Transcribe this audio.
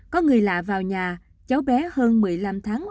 có người lạ vào nhà cháu bé hơn một mươi năm tháng